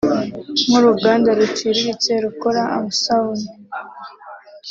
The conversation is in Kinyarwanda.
nk’uruganda ruciritse rukora amsabune